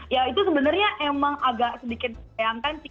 ya itu sebenarnya emang agak sedikit disayangkan